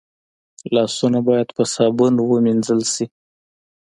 لاسونه باید په صابون ومینځل شي